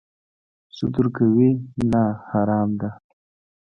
سود ورکوي؟ نه، حرام ده